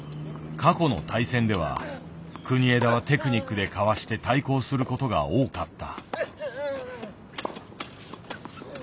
過去の対戦では国枝はテクニックでかわして対抗することが多かった。